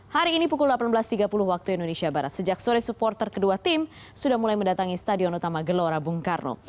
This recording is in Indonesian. hari ini pukul delapan belas tiga puluh waktu indonesia barat sejak sore supporter kedua tim sudah mulai mendatangi stadion utama gelora bung karno